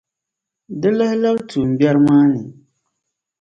Di lahi labi a tummbiɛri maa ni.